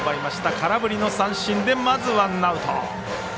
空振りの三振でまずワンアウト。